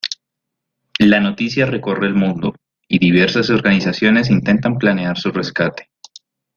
La noticia recorre el mundo, y diversas organizaciones intentan planear su rescate.